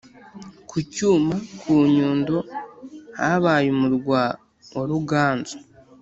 Ku cyuma: ku Nyundo, habaye umurwa wa Ruganzu.